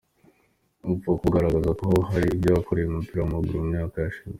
Upfa kuba ugaragaza ko hari ibyo wakoreye umupira w’amaguru mu myaka yashize.